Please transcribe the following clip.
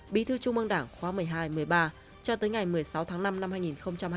bí thư trung ương đảng khóa một mươi hai một mươi ba cho tới ngày một mươi sáu tháng năm năm hai nghìn hai mươi